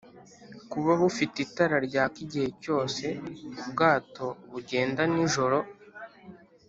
kuba bufite itara ryaka igihe cyose ubwato bugenda nijoro;